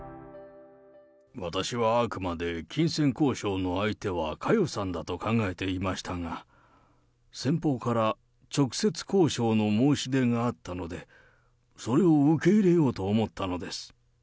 私はあくまで、金銭交渉の相手は佳代さんだと考えていましたが、先方から、直接交渉の申し出があったので、それを受け入れようと思ったのです。